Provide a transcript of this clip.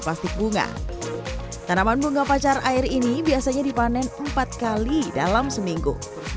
plastik bunga tanaman bunga pacar air ini biasanya dipanen empat kali dalam seminggu